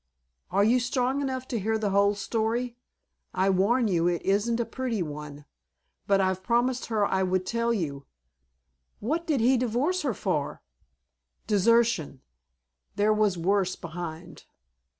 "Are you strong enough to hear the whole story? I warn you it isn't a pretty one. But I've promised her I would tell you " "What did he divorce her for?" "Desertion. There was worse behind."